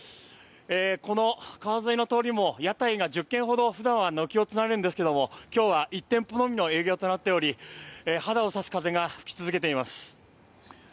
この川沿いの通りも屋台が１０軒ほど普段は軒を連ねるんですが今日は１店舗のみの営業となっており肌を刺す風が吹き続けています。